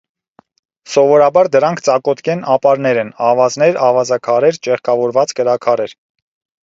Սովորաբար դրանք ծակոտկեն ապարներ են (ավազներ, ավազաքարեր, ճեղքավորված կրաքարեր)։